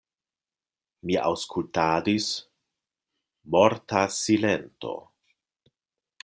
Mi aŭskultadis – morta silento.